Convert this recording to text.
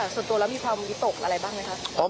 ส่วนตัวแล้วมีความไม่มีตกอะไรบ้างไหมครับ